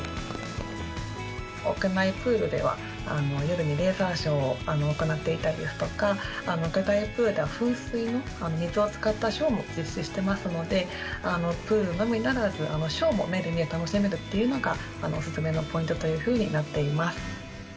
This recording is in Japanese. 屋内プールでは、夜にレーザーショーを行っていたりですとか、屋外プールでは噴水の、水を使ったショーも実施してますので、プールのみならず、ショーも目で見て楽しめるっていうのがお勧めのポイントというふうになっています。